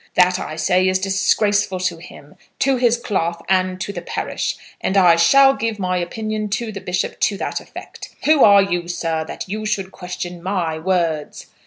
That I say is disgraceful to him, to his cloth, and to the parish, and I shall give my opinion to the bishop to that effect. Who are you, sir, that you should question my words?"